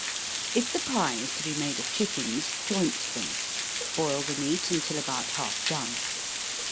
_ If the pie is to be made of chickens, joint them boil the meat until about half done.